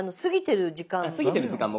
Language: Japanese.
過ぎてる時間も。